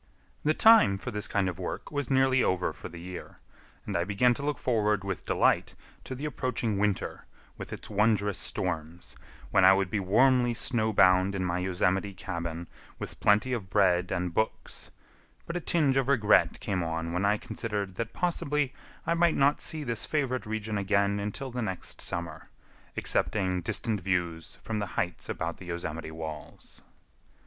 The time for this kind of work was nearly over for the year, and I began to look forward with delight to the approaching winter with its wondrous storms, when I would be warmly snow bound in my Yosemite cabin with plenty of bread and books; but a tinge of regret came on when I considered that possibly I might not see this favorite region again until the next summer, excepting distant views from the heights about the Yosemite walls.